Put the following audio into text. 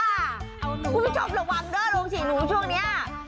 คุณผู้ชมระวังนะโลกฉี่นูช่วงเนี้ย